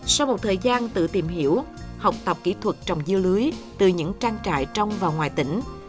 sau một thời gian tự tìm hiểu học tập kỹ thuật trồng dưa lưới từ những trang trại trong và ngoài tỉnh